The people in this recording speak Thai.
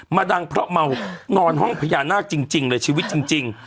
ดังเพราะเมานอนห้องพญานาคจริงเลยชีวิตจริง